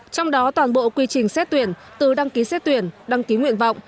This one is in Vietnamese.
trong đó toàn bộ quy trình xét tuyển từ đăng ký xét tuyển đăng ký nguyện vọng